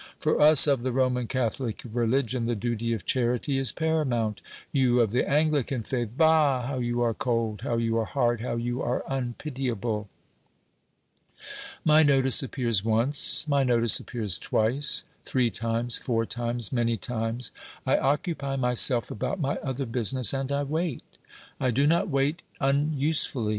For us of the Roman Catholic religion the duty of charity is paramount. You of the Anglican faith bah, how you are cold, how you are hard, how you are unpitiable! My notice appears once, my notice appears twice, three times, four times, many times. I occupy myself about my other business, and I wait. I do not wait unusefully.